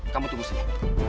kamu tunggu sini